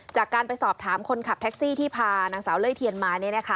จากการไปสอบถามคนขับแท็กซี่ที่พานางสาวเล่เทียนมา